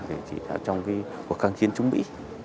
để chỉ đạo trong cuộc căn chiến chống mỹ